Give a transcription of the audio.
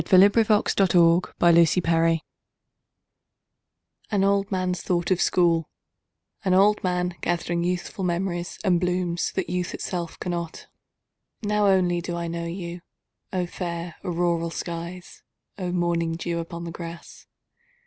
263. An Old Man's Thought of School AN old man's thought of School; An old man, gathering youthful memories and blooms, that youth itself cannot. Now only do I know you!O fair auroral skies! O morning dew upon the grass!